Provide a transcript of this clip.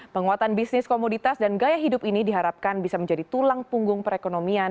penguatan bisnis komoditas dan gaya hidup ini diharapkan bisa menjadi tulang punggung perekonomian